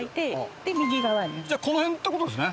じゃあこの辺って事ですね。